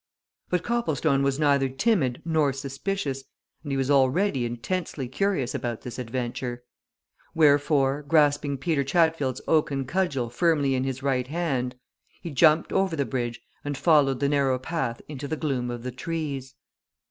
But Copplestone was neither timid nor suspicious, and he was already intensely curious about this adventure; wherefore, grasping Peter Chatfield's oaken cudgel firmly in his right hand, he jumped over the bridge and followed the narrow path into the gloom of the trees.